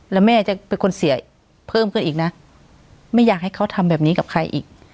แล้วแม่จะเป็นคนเสียเพิ่มขึ้นอีกนะไม่อยากให้เขาทำแบบนี้กับใครอีก